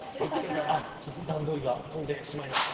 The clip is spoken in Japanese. すみません段取りが飛んでしまいました。